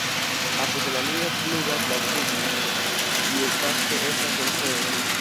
Apud la liro flugas la Cigno, kiu fakte estas Orfeo.